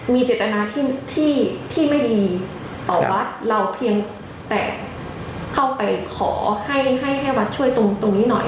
มีจิตนาที่ที่ที่ไม่ดีครับเราเพียงแต่เข้าไปขอให้ให้ให้วัดช่วยตรงตรงนี้หน่อย